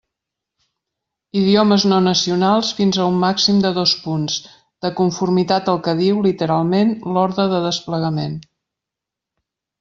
Idiomes no nacionals, fins a un màxim de dos punts, de conformitat al que diu, literalment, l'orde de desplegament.